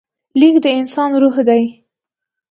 لیک د انسان روح دی.